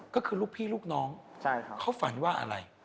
ก็คือลูกพี่ลูกน้องเขาฝันว่าอะไร